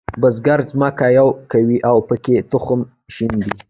بزګر ځمکه یوي کوي او پکې تخم شیندي.